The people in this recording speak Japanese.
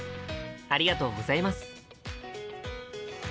ありがとうございます。